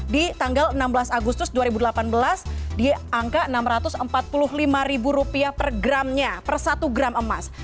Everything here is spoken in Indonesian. di tanggal enam belas agustus dua ribu delapan belas di angka rp enam ratus empat puluh lima per gramnya per satu gram emas